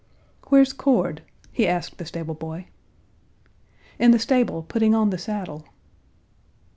"Where's Cord?" he asked the stable boy. "In the stable, putting on the saddle."